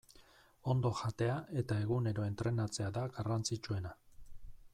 Ondo jatea eta egunero entrenatzea da garrantzitsuena.